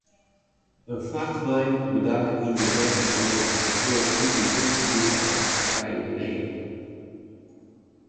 In frachtwein bedarre yn de berm omdat de sjauffeur útwike moast foar trije reeën.